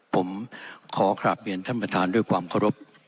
ผมขอกราบเรียนท่านประธานด้วยความเคารพ